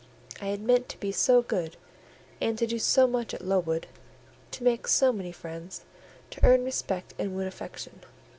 I had meant to be so good, and to do so much at Lowood: to make so many friends, to earn respect and win affection.